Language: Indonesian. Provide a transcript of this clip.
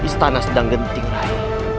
istana sedang genting rai